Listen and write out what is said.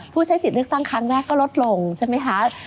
ผู้ใช้สิทธิ์เลือกตั้งครั้งแรกก็ลดลงใช่ไหมคะ